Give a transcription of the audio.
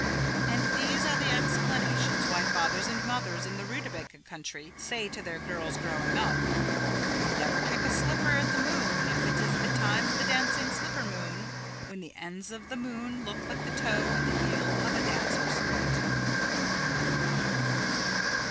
'" And these are the explanations why fathers and mothers in the Rootabaga Country say to their girls growing up, "Never kick a slipper at the moon if it is the time of the Dancing Slipper Moon when the ends of the moon look like the toe and the heel of a dancer's foot."